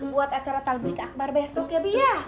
buat acara talbik akbar besok ya bi ya